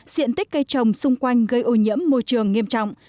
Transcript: diện tích cây trồng xung quanh gây ô nhiễm môi trường nghiêm trọng